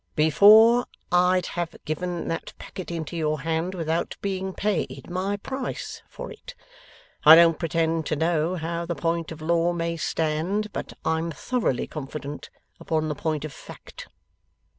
'Before I'd have given that packet into your hand without being paid my price for it. I don't pretend to know how the point of law may stand, but I'm thoroughly confident upon the point of fact.